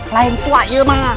lain tua ya ma